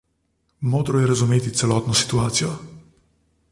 Modro je razumeti celotno situacijo.